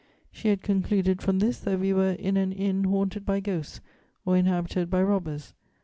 She had concluded from this that we were in an inn haunted by ghosts or inhabited by robbers.